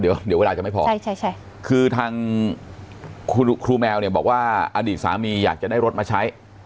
เดี๋ยวเวลาจะไม่พอคือทางครูแมวเนี่ยบอกว่าอดีตสามีอยากจะได้รถมาใช้